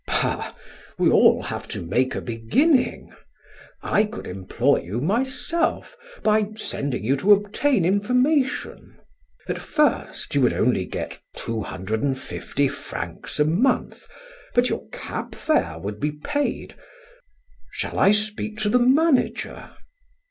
"Bah, we all have to make a beginning. I could employ you myself by sending you to obtain information. At first you would only get two hundred and fifty francs a month but your cab fare would be paid. Shall I speak to the manager?"